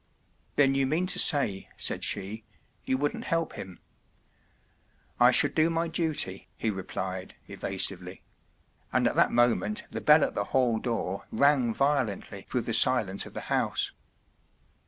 “ Then you mean to say,” said she, “ you wouldn’t help him ? ” “ I should do my duty,” he replied, evasively ; and at that moment the bell at the hall door rang violently through the silence of the house.